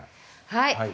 はい。